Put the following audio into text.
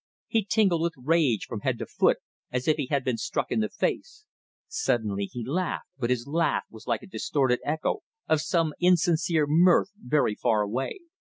He tingled with rage from head to foot, as if he had been struck in the face. Suddenly he laughed; but his laugh was like a distorted echo of some insincere mirth very far away.